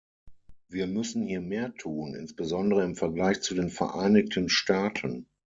Wir müssen hier mehr tun, insbesondere im Vergleich zu den Vereinigten Staaten.